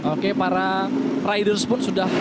oke para riders pun sudah